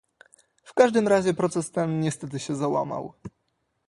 W każdym razie proces ten niestety się załamał